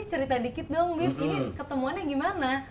ini cerita dikit dong bib ini ketemuannya gimana